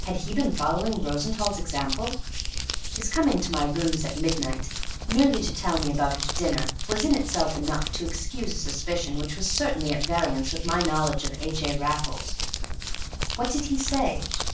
Had he been following Rosenthall's example? His coming to my rooms at midnight, merely to tell me about his dinner, was in itself enough to excuse a suspicion which was certainly at variance with my knowledge of A. J. Raffles. "What did he say?"